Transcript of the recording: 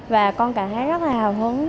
và con cảm thấy rất là hào hứng